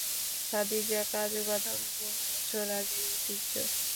খাদিজা কাজু বাদাম বহু বছর আগের ঐতিহ্য।